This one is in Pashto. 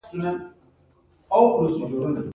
د بکټریاوو سپورونه زیات مقاوم دي.